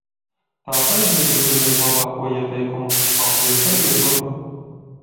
Tāpēc gribu dzirdēt labāko ieteikumu. Paldies par viedokli!